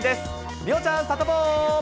梨央ちゃん、サタボー。